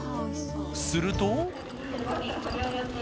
すると。